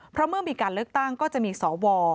เพราะเมื่อมีการเลือกตั้งก็จะมีสว